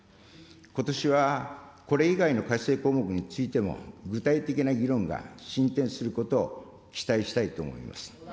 ことしはこれ以外の改正項目についても具体的な議論が進展することを期待したいと思います。